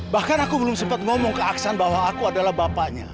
bahkan aku belum sempat ngomong keaksan bahwa aku adalah bapaknya